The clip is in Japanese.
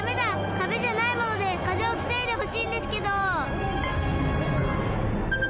かべじゃないもので風をふせいでほしいんですけど！